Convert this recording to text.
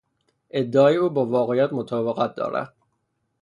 ادعای او با واقعیات مطابقت دارد.